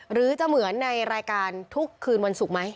หรือจะเหมือนในรายการทุกคืนวันศุกร์ไหม